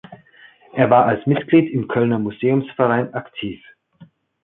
Er war als Mitglied im Kölner Museumsverein aktiv.